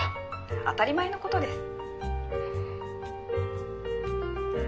当たり前のことです。